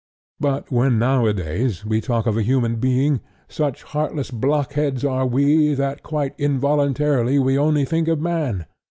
But when nowadays we talk of a human being, such heartless blockheads are we that quite involuntarily we only think of man.